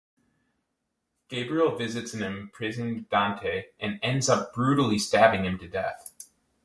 Gabriel visits an imprisoned Dante and ends up brutally stabbing him to death.